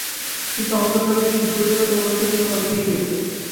কি অন্তর্জগতে, কি বহির্জগতে অণুকেও নিয়ম মানিতেই হইবে।